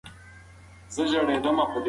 په ځینو هېوادونو کې ناڅاپي ویره خپره شوه.